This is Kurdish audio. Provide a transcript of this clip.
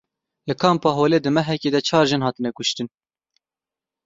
Li Kampa Holê di mehekê de çar jin hatine kuştin.